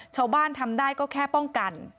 ชาวบ้านทำได้ก็แค่ป้องกัน